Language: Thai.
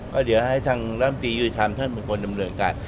ก็เดี๋ยวให้ท่านล้ำตียืดทำท่านเป็นคนดำเรื่องการ